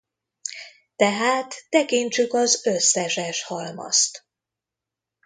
Tehát tekintsük az összes S halmazt!